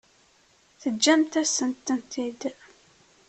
Teǧǧamt-asen-tent-id?